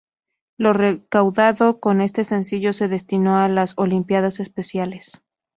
Lo recaudado con este sencillo se destinó a las Olimpiadas especiales.